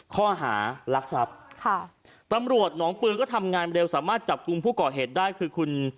ข้อหารักทรัพย์ค่ะตำรวจหนองปืนก็ทำงานเร็วสามารถจับกลุ่มผู้ก่อเหตุได้คือคุณ